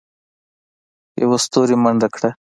یوه ستوري منډه کړه.